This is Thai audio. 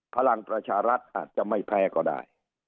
พลังประชารัฐอาจจะไม่แพ้ก็ได้